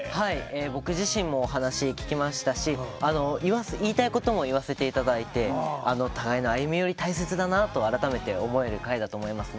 僕自身も話を聴きましたし言いたいことも言わせていただいて互いの歩み寄り大切だなと改めて思えました。